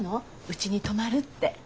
うちに泊まるって。